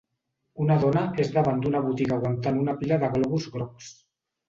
Una dona és davant d'una botiga aguantant una pila de globus grocs.